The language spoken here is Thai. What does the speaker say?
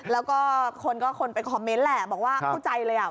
แล้วก็คนก็คนไปคอมเมนต์แหละบอกว่าเข้าใจเลยอ่ะ